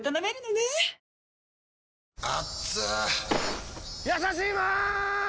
液やさしいマーン！！